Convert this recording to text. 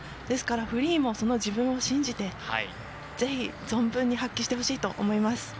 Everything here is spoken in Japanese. ですから、フリーもその自分を信じてぜひ存分に発揮してほしいと思います。